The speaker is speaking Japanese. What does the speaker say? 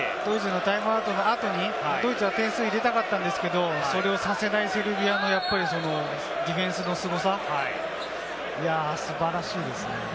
タイムアウトの後にドイツは点数入れたかったんですけれども、それをさせないセルビアもディフェンスのすごさ、素晴らしいですね。